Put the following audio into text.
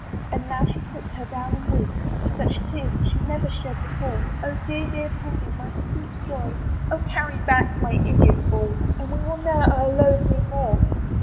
And now she sits her down and weeps; Such tears she never shed before; "Oh dear, dear pony! my sweet joy! "Oh carry back my idiot boy! "And we will ne'er o'erload thee more."